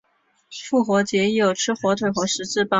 复活节亦有吃火腿和十字包。